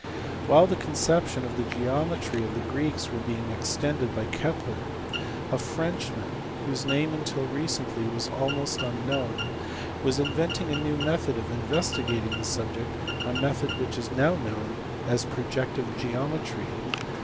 While the conceptions of the geometry of the Greeks were being extended by Kepler, a Frenchman, whose name until recently was almost unknown, was inventing a new method of investigating the subject a method which is now known as projective geometry.